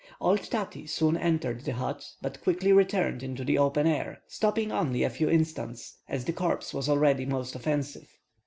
Old Tati soon entered the hut, but quickly returned into the open air, stopping only a few instants, as the corpse was already most offensive.